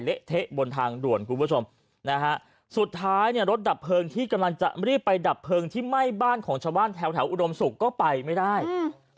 เละเทะบนทางด่วนคุณผู้ชมนะฮะสุดท้ายเนี่ยรถดับเพลิงที่กำลังจะรีบไปดับเพลิงที่ไหม้บ้านของชาวบ้านแถวแถวอุดมศุกร์ก็ไปไม่ได้อืม